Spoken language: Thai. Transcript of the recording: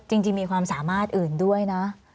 จริงมีความสามารถอื่นด้วยนะ